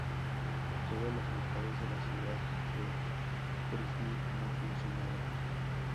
Todos los mercados de la ciudad de Grodno no funcionaban.